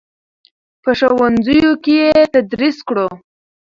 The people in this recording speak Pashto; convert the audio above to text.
په ښوونځیو کې یې تدریس کړو.